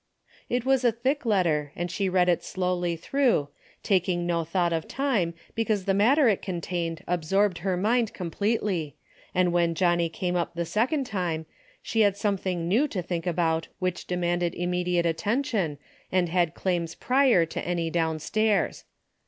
It was a thick letter and she read it slowly through, taking no thought of time because the matter it contained absorbed her mind completely, and when Johnnie came up the 96 DAILY BATEA^ second time, she had something new to think about which demanded immediate attention and had claims prior to any downstairs.